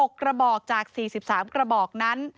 กระบอกจาก๔๓กระบอกนั้น